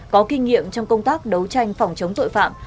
có kinh nghiệm trong công tác đấu tranh phòng chống tội phạm